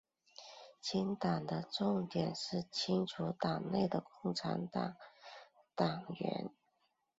清党的重点是清除党内的中国共产党党员。